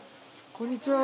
こんにちは。